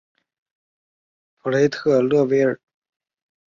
普雷特勒维尔。